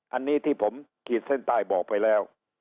อันนี้ที่ผมขีดเส้นใต้บอกไปแล้ว